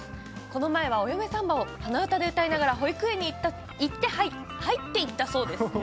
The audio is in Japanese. この前は「お嫁サンバ」を鼻歌で歌いながら保育園に入っていったそうです。